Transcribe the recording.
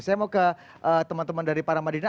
saya mau ke teman teman dari para madina